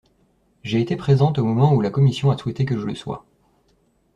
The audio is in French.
J’ai été présente au moment où la commission a souhaité que je le sois.